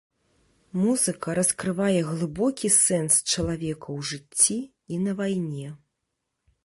Музыка раскрывае глыбокі сэнс чалавека ў жыцці і на вайне!